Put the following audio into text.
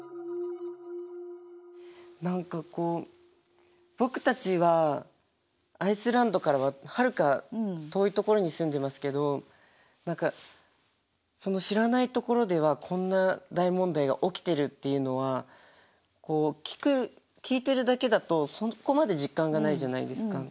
何かこう僕たちはアイスランドからははるか遠い所に住んでますけど知らない所ではこんな大問題が起きているっていうのは聞いてるだけだとそこまで実感がないじゃないですか。